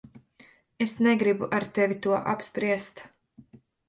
Es negribu ar tevi to apspriest.